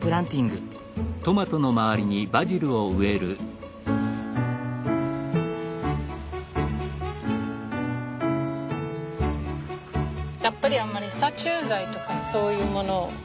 やっぱりあんまり殺虫剤とかそういうものを使いたくないしね。